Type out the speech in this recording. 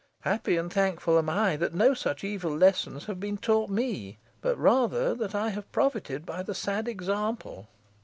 Happy and thankful am I, that no such evil lessons have been taught me, but rather, that I have profited by the sad example.